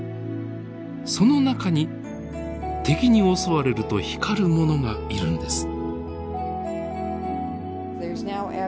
その中に敵に襲われると光るものがいるんです。